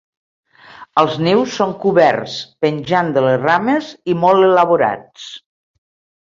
Els nius són coberts, penjant de les rames i molt elaborats.